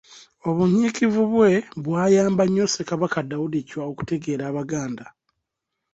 Obunyiikivu bwe bwayamba nnyo Ssekabaka Daudi Chwa okutegeera Abaganda.